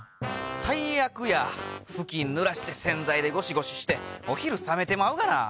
最悪やふきんぬらして洗剤でゴシゴシしてお昼冷めてまうがな。